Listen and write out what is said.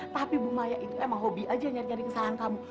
tapi bu maya itu emang hobi aja nyari nyari kesalahan kamu